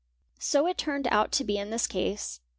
So it turned out to be in this case.